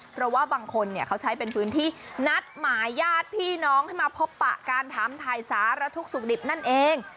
เพราะว่าบางคนเนี่ยเขาใช้เป็นพื้นที่นัดหมายญาติพี่น้องให้มาพบปะการถามถ่ายสารทุกข์สุขดิบนั่นเอง